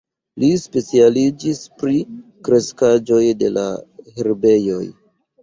Li specialiĝis pri kreskaĵoj de la herbejoj.